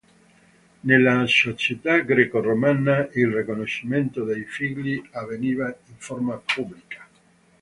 Nella società greco-romana il riconoscimento dei figli avveniva in forma pubblica.